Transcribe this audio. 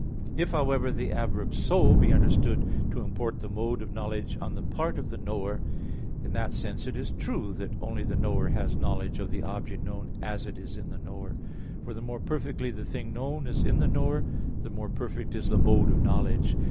If however the adverb 'so' be understood to import the mode (of knowledge) on the part of the knower, in that sense it is true that only the knower has knowledge of the object known as it is in the knower; for the more perfectly the thing known is in the knower, the more perfect is the mode of knowledge.